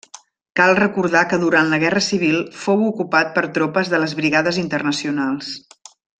Cal recordar que durant la Guerra Civil fou ocupat per tropes de les Brigades Internacionals.